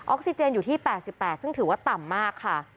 ซิเจนอยู่ที่๘๘ซึ่งถือว่าต่ำมากค่ะ